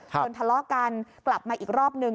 ทะเลาะกันกลับมาอีกรอบนึง